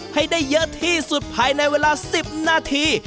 ให้ได้เยอะที่สุดภายในเวลา๑๐นาที